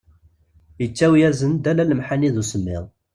Yettawi-asen-d ala lemḥani d usemmiḍ.